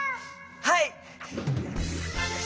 はい。